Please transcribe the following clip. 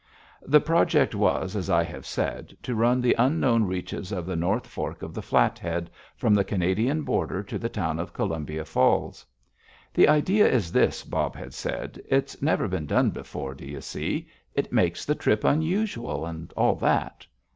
The project was, as I have said, to run the unknown reaches of the North Fork of the Flathead from the Canadian border to the town of Columbia Falls. "The idea is this," Bob had said: "It's never been done before, do you see? It makes the trip unusual and all that."